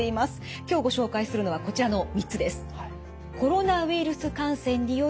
今日ご紹介するのはこちらの３つです。